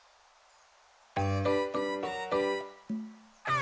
あ！